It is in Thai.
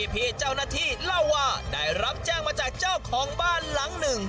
พี่เจ้าหน้าที่เล่าว่าได้รับแจ้งมาจากเจ้าของบ้านหลังหนึ่ง